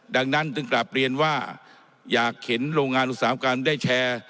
ดังนั้นจึงกลับเรียนว่าอยากเห็นโรงงานอุตสาหกรรมได้แชร์